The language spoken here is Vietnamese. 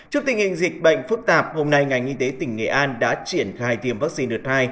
trước tình hình dịch bệnh phức tạp hôm nay ngành y tế tỉnh nghệ an đã triển khai tiêm vaccine đợt hai